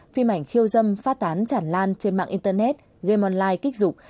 phim ảnh khiêu dâm phát tán chản lan trên mạng internet game online kích dục